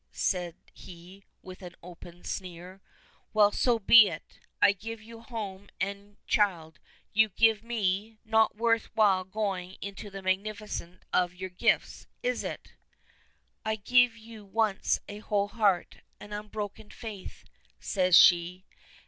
said he, with an open sneer "Well, so be it. I give you home and child. You give me Not worth while going into the magnificence of your gifts, is it?" "I gave you once a whole heart an unbroken faith," says she.